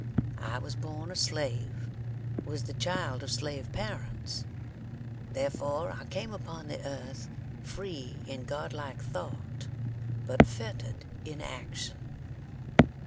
I was born a slave was the child of slave parents therefore I came upon the earth free in God like thought, but fettered in action.